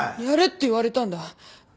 やれって言われたんだ。